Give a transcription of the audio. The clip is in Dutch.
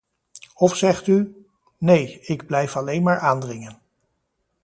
Of zegt u: nee, ik blijf alleen maar aandringen?